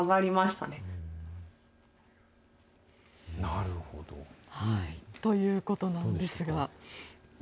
なるほど。ということなんですが。